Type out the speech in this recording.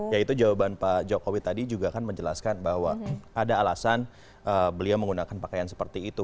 ya itu jawaban pak jokowi tadi juga kan menjelaskan bahwa ada alasan beliau menggunakan pakaian seperti itu